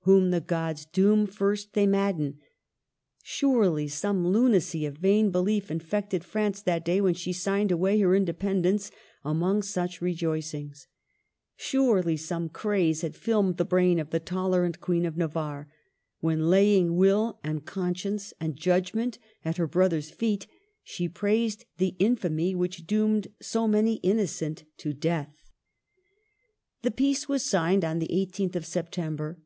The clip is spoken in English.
Whom the Gods doom, first they mad den. Surely some lunacy of vain belief infected France that day when 'she signed away her independence among such rejoicings; surely some craze had filmed the brain of the tolerant Queen of Navarre, when, laying will and con science and judgment at her brother's feet, she praised the infamy which doomed so many inno cent to death. 17 258 MARGARET OF ANGOULtME. The peace was signed on the i8th of Sep tember.